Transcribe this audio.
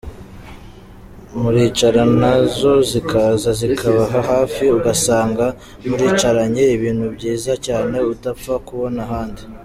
Muricara na zo zikaza zikababa hafi ugasanga muricaranye, ibintu byiza cyane utapfa kubona ahandi.